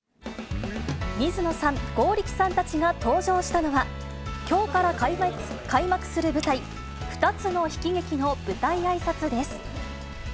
水野さん、剛力さんたちが登場したのは、きょうから開幕する舞台、２つの「ヒ」キゲキの舞台あいさつです。